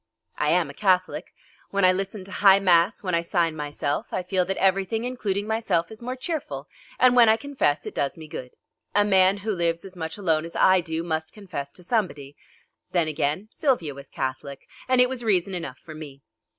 I am a Catholic. When I listen to high mass, when I sign myself, I feel that everything, including myself, is more cheerful, and when I confess, it does me good. A man who lives as much alone as I do, must confess to somebody. Then, again, Sylvia was Catholic, and it was reason enough for me.